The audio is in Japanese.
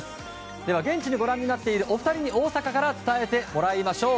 現地でご覧になっているお二人に伝えてもらいましょう。